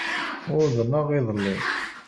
Uḍneɣ iḍelli.